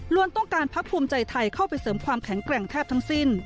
ต้องการพักภูมิใจไทยเข้าไปเสริมความแข็งแกร่งแทบทั้งสิ้น